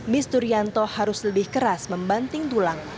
mis turianto harus lebih keras membanting tulang